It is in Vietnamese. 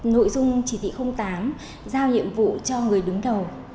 nội dung chỉ thị tám giao nhiệm vụ cho người đứng đầu